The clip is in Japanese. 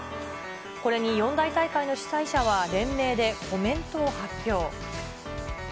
これに四大大会の主催者は連名でコメントを発表。